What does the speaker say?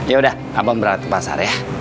yaudah abang berangkat ke pasar ya